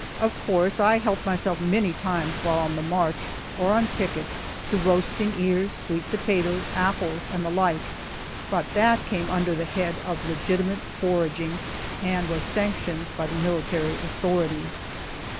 Of course I helped myself many times, while on the march, or on picket, to roasting ears, sweet potatoes, apples, and the like, but that came under the head of legitimate foraging, and was sanctioned by the military authorities.